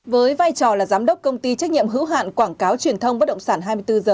với vai trò là giám đốc công ty trách nhiệm hữu hạn quảng cáo truyền thông bất động sản hai mươi bốn h